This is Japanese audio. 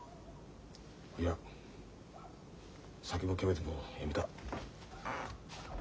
いや酒もキャベツもやめた。